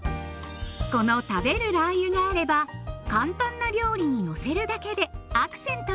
この食べるラー油があれば簡単な料理にのせるだけでアクセントに。